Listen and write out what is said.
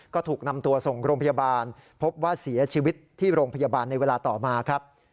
ก็ถูกนำตัวส่งโรงพยาบาลพบว่าเสียชีวิตที่โรงพยาบาลในเวลาต่อมาครับ